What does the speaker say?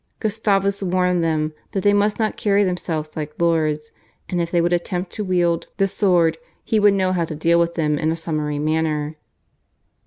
Gustavus warned them that they must not carry themselves like lords, and if they would attempt to wield the sword he would know how to deal with them in a summary manner.